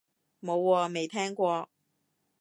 冇喎，未聽過